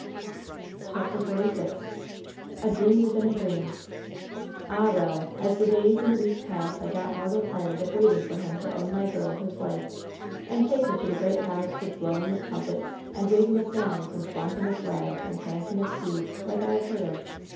CHAPTER XLVI A BBEAM WITHIN A DBEAK "Ah, well, as the days and the weeks passed I got i^rtal tired of waiting for him to own my girl his wife, dnd take her to the great house with blowing of trum pets, and waving of banners, and flaunting of flags, and prancing of steeds, like I had heard of.